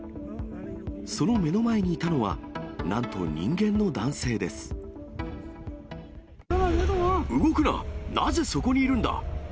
その目の前にいたのは、なんと人動くな、なぜそこにいるんだ！